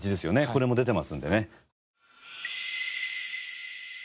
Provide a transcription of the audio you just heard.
これも出てますのでね。